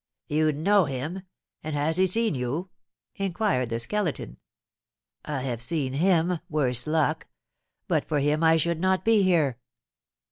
"You know him? And has he seen you?" inquired the Skeleton. "I have seen him, worse luck! But for him I should not be here."